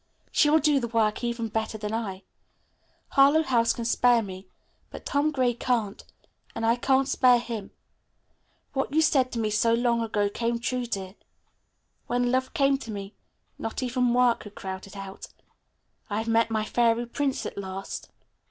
She will do the work even better than I. Harlowe House can spare me, but Tom Gray can't, and I can't spare him. What you said to me so long ago came true, dear. When love came to me, not even work could crowd it out. I have found my fairy prince at last."